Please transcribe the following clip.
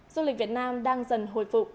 du lịch việt nam đang dần hồi phụ